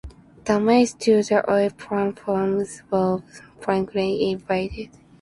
Damage to the oil platforms was eventually repaired.